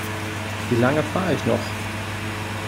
Wie lange fahre ich noch?